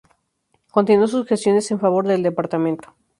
Continuó sus gestiones en favor del departamento.